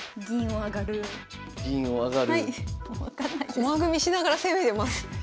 駒組みしながら攻めてます。